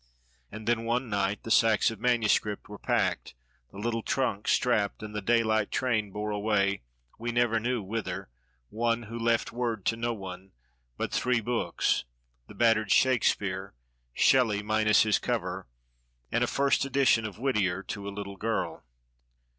And then one night the sacks of manuscript were packed, the little trunk strapped, and the daylight train bore away, we never knew whither, one who left word to no one, but three books the battered Shakespeare, Shelley minus his cover, and a first edition of Whittier to a little girl.